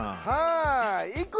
はい。